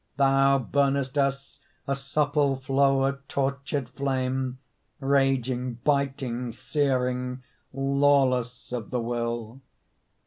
Thou burnest us, a supple Flow of tortured flame, Raging, biting, searing, Lawless of the will.